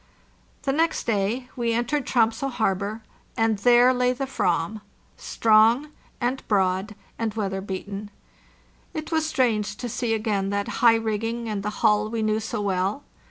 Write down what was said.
The next day we entered Tromso harbor, and there lay the "vam, strong and broad and weather beaten. It was strange to see again that high rigging and the hull we knew so well.